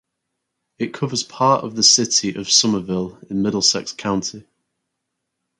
It covers part of the city of Somerville in Middlesex County.